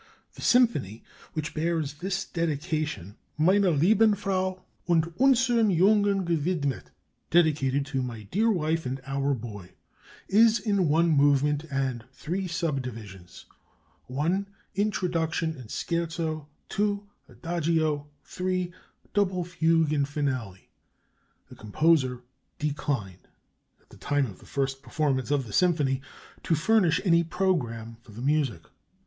The symphony, which bears this dedication: Meiner lieben Frau und unserm Jungen gewidmet ("Dedicated to my dear Wife and our Boy"), is in one movement and three subdivisions: (1) Introduction and Scherzo; (2) Adagio; (3) Double Fugue and Finale. The composer declined, at the time of the first performance of the symphony, to furnish any programme for the music.